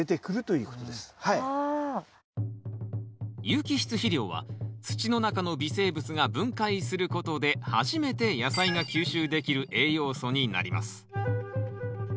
有機質肥料は土の中の微生物が分解することで初めて野菜が吸収できる栄養素になります。